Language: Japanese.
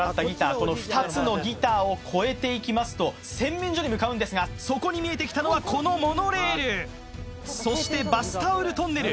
この２つのギターを越えていきますと洗面所に向かうんですがそこに見えてきたのはこのモノレールそしてバスタオルトンネル